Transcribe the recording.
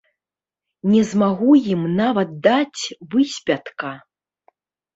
Не змагу ім нават даць выспятка!